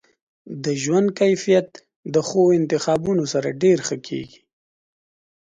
د ژوند کیفیت د ښو انتخابونو سره ډیر ښه کیږي.